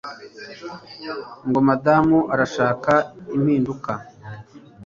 ngo madamu arashaka impinduka